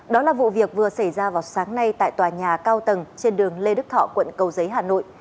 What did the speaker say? đó là vụ việc vừa xảy ra vào sáng nay tại tòa nhà cao tầng trên đường lê đức thọ quận cầu giấy hà nội